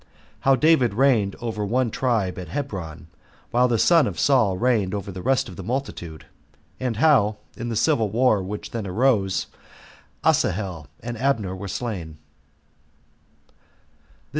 How David Reigned Over One Tribe At Hebron While The Son Of Saul Reigned Over The Rest Of The Multitude; And How, In The Civil War Which Then Arose Asahel And Abner Were Slain.